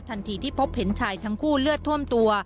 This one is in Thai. ทันทีที่พบเห็นชายทั้งคู่เลือดท่วมตัว